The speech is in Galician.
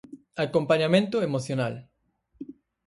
Acompañamento emocional.